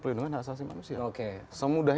perlindungan hak asasi manusia oke semudah